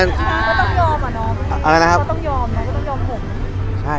น้องก็ต้องยอมหง